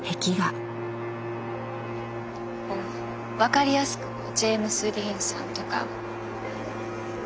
分かりやすくジェームス・ディーンさんとか。